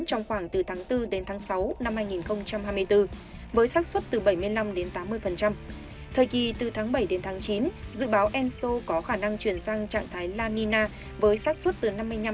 trong khoảng từ tháng bốn sáu năm hai nghìn hai mươi bốn với sắc xuất từ bảy mươi năm tám mươi thời kỳ từ tháng bảy chín dự báo enso có khả năng chuyển sang trạng thái la nina với sắc xuất từ năm mươi năm sáu mươi năm